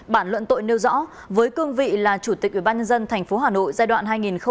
bản luận tội nêu rõ với cương vị là chủ tịch ubnd tp hà nội giai đoạn hai nghìn một mươi sáu hai nghìn hai mươi